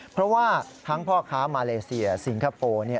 เพราะว่าทั้งพ่อค้ามาเลเซียสิงคโปร์